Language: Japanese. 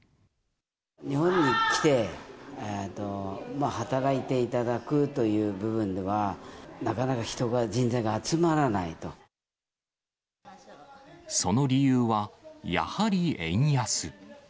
日本に来て、働いていただくという部分では、なかなか人が、人材が集まらないその理由は、やはり円安。